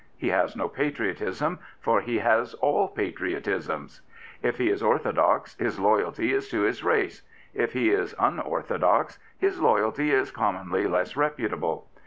He has no patriotism, for he has all patriotisms. If he is orthodox his loyalty is to his race; if he is un orthodox his loyaJty is commonly less reputable.